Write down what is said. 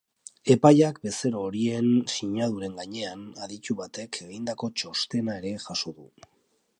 Epaiak bezero horien sinaduren gainean aditu batek egindako txostena ere jaso du.